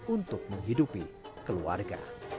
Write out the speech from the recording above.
untuk menghidupi keluarga